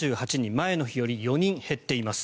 前の日より４人減っています。